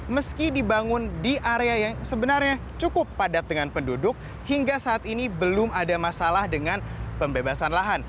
meski dibangun di area yang sebenarnya cukup padat dengan penduduk hingga saat ini belum ada masalah dengan pembebasan lahan